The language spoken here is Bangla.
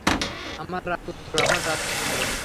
আমার রাজপুত্র, আমার রাজপুত্র।